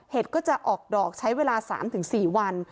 ก็จะออกดอกใช้เวลา๓๔วัน